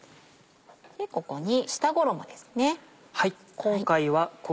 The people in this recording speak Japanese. ここに下衣ですね。